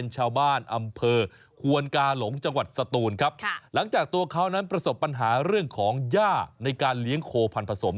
หลังจากตัวคราวนั้นประสบปัญหาเรื่องของย่าในการเลี้ยงโคพันผสม